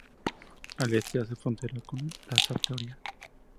Al este hace frontera con Lasarte-Oria.